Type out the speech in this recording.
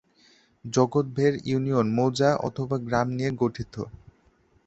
Jagatber union মৌজা/গ্রাম নিয়ে গঠিত।